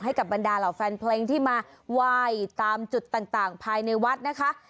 บรรดาเหล่าแฟนเพลงที่มาไหว้ตามจุดต่างภายในวัดนะคะ